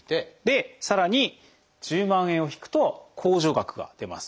さらに１０万円を引くと控除額が出ます。